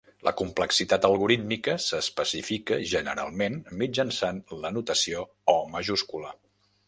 La complexitat algorítmica s'especifica generalment mitjançant la notació O majúscula.